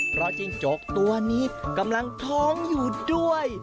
เพราะจิ้งจกตัวนี้กำลังท้องอยู่ด้วย